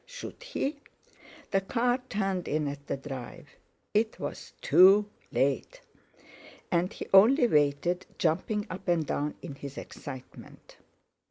Should he? The car turned in at the drive. It was too late! And he only waited, jumping up and down in his excitement.